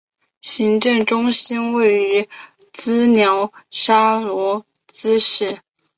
行政中心位于瑙沙罗费洛兹市。